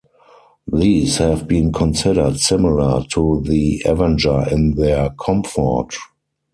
These have been considered similar to the Avenger in their comfort.